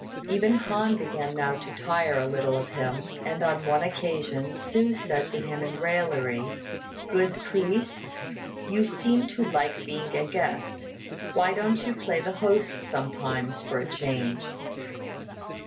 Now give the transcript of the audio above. Even Han began now to tire a little of him; and on one occasion Hsü said to him in raillery, "Good priest, you seem to like being a guest; why don't you play the host sometimes for a change?"